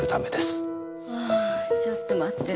あぁちょっと待って。